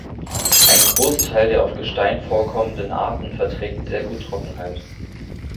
Ein Großteil der auf Gestein vorkommenden Arten verträgt sehr gut Trockenheit.